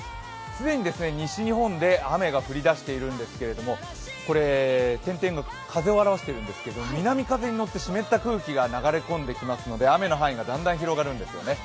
既に西日本で雨が降り出しているんですけれども点点が風を表しているんですけど、南風にのって湿った空気が流れ込んできますので雨の範囲がだんだん広がるんですね。